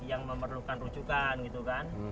yang memerlukan rujukan gitu kan